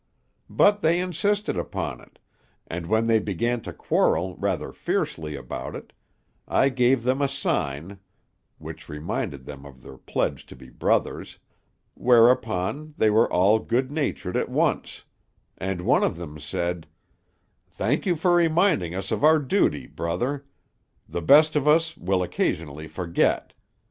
But they insisted upon it, and when they began to quarrel rather fiercely about it, I gave them a sign (which reminded them of their pledge to be brothers), whereupon they were all good natured at once, and one of them said, "'Thank you for reminding us of our duty, brother; the best of us will occasionally forget.